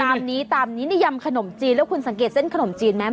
นี้ตามนี้นี่ยำขนมจีนแล้วคุณสังเกตเส้นขนมจีนไหม